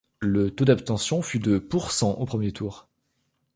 Le taux d'abstention fut de % au premier tour.